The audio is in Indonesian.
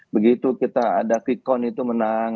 begitu kita ada vicon itu menang